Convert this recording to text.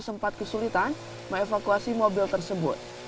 sempat kesulitan mengevakuasi mobil tersebut